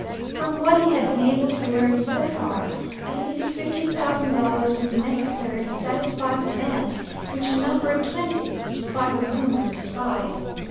From what he had been able to learn so far, at least fifty thousand dollars would be necessary to satisfy the band, which numbered twenty, five of whom were spies.